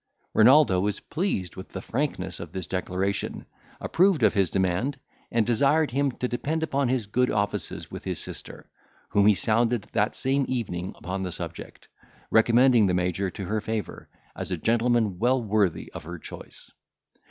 Renaldo was pleased with the frankness of this declaration, approved of his demand, and desired him to depend upon his good offices with his sister, whom he sounded that same evening upon the subject, recommending the Major to her favour, as a gentleman well worthy of her choice.